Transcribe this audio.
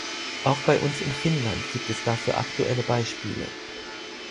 Auch bei uns in Finnland gibt es dafür aktuelle Beispiele.